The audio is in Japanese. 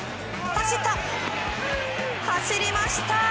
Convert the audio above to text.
走りました。